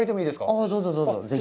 ああ、どうぞ、どうぞ。